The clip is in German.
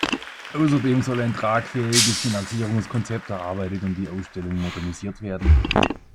Außerdem soll ein tragfähiges Finanzierungskonzept erarbeitet und die Ausstellung modernisiert werden.